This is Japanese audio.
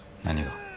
何が？